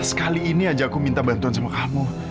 sekali ini aja aku minta bantuan sama kamu